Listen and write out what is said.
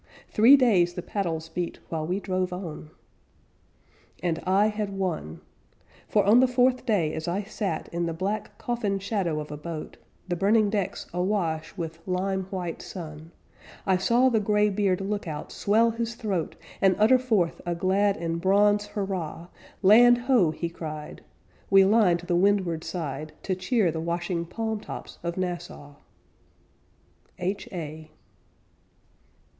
Three days the paddles beat while we drove on! And I had won; For on the fourth day as I sat In the black coffin shadow of a boat, The burning decks a wash with lime white sun, I saw the graybeard lookout swell his throat And utter forth a glad and bronze hurrah, "Land Ho!" he cried We lined the windward side To cheer the washing palm tops of Nassau. H.A.